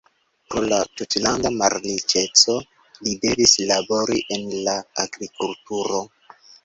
Pro la tutlanda malriĉeco li devis labori en la agrikulturo.